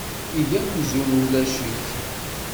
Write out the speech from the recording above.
Eg amzun ulac-iten.